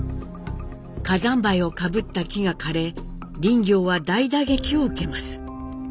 火山灰をかぶった木が枯れ林業は大打撃を受けます。